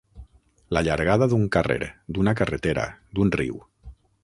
La llargada d'un carrer, d'una carretera, d'un riu.